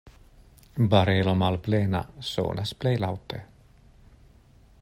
Barelo malplena sonas plej laŭte.